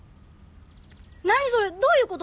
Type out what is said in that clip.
何それどういうこと？